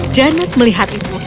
janet melihat itu